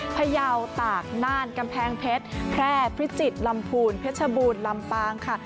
พยาวตากน่านกำแพงเพชรแพร่พิจิตรลำพูนเพชรบูรลำปางค่ะ